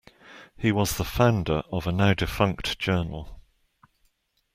He was the founder of a now-defunct journal.